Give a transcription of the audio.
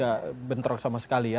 tidak bentrok sama sekali ya